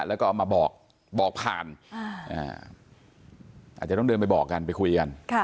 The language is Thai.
แล้วก็เอามาบอกผ่านอาจจะต้องเดินไปบอกกันไปคุยกัน